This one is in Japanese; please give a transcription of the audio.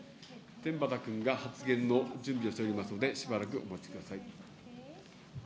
天畠君が発言の準備をしておりますので、しばらくお待ちください。